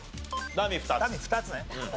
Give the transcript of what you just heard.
ダミー２つね。